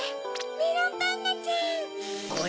メロンパンナちゃん！